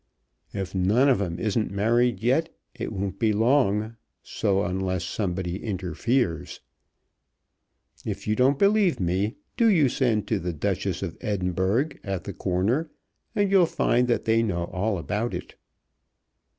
If none of 'em isn't married yet it won't be long so unless somebody interferes. If you don't believe me do you send to the 'Duchess of Edinburgh' at the corner, and you'll find that they know all about it.